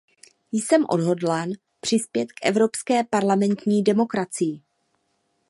Jsem odhodlán přispět k evropské parlamentní demokracii.